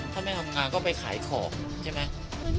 ไปทำงานก็ไปขายของ